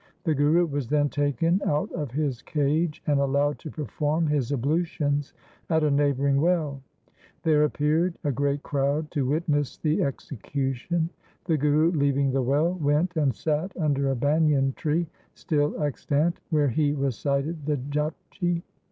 The Guru was then taken out of his cage, and allowed to perform his ablutions at a neighbouring well . There appeared a great crowd to witness the execution. The Guru, leaving the well, went and sat under a banyan tree, still extant, where he recited the Japji.